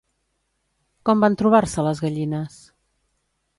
Com van trobar-se les gallines?